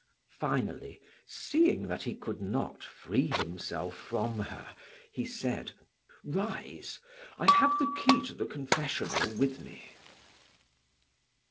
Finally, seeing that he could not free himself from her, he said: "Rise; I have the key to the confessional with me."